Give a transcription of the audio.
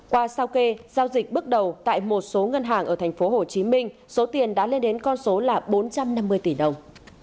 qua sao kê giao dịch bước đầu tại một số ngân hàng ở tp hcm số tiền đã lên đến con số là bốn trăm năm mươi tỷ đồng